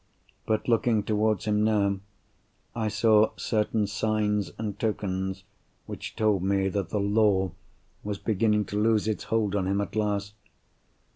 But looking towards him now, I saw certain signs and tokens which told me that the Law was beginning to lose its hold on him at last.